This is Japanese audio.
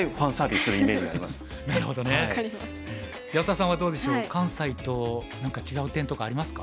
安田さんはどうでしょう関西と何か違う点とかありますか？